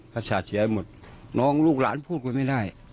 ประสาทเสียหมดน้องลูกหลานพูดไว้ไม่ได้